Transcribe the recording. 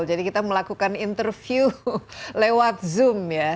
jadi kita melakukan interview lewat zoom ya